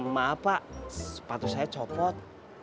maaf pak sepatu saya copot